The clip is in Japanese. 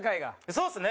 そうですね！